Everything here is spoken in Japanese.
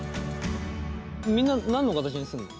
みんな何の形にすんの？